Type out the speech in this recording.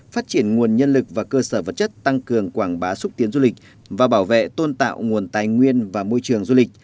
phát triển nguồn nhân lực và cơ sở vật chất tăng cường quảng bá xúc tiến du lịch và bảo vệ tôn tạo nguồn tài nguyên và môi trường du lịch